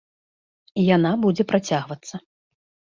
І яна будзе працягвацца.